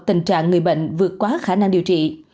tình trạng người bệnh vượt quá khả năng điều trị